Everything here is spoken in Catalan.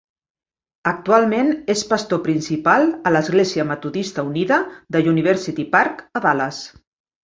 Actualment és pastor principal a l'Església Metodista Unida de University Park a Dallas.